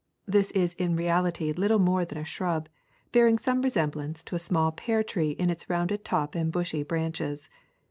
This is in reality little more than a shrub, bearing some resemblance to a small pear tree in its rounded top and bushy branches.